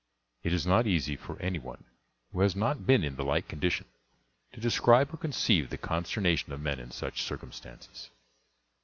It is not easy for any one who has not been in the like condition to describe or conceive the consternation of men in such circumstances.